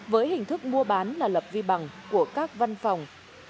với hình thức mua bán là lập vi bằng của các văn phòng